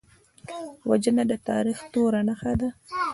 وژنه د تاریخ توره نښه ده